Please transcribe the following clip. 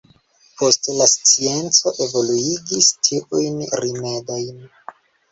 Poste la scienco evoluigis tiujn rimedojn.